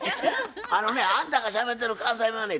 あのねあんたがしゃべってる関西弁はね